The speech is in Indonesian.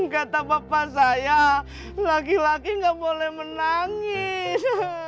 kata bapak saya laki laki gak boleh menangis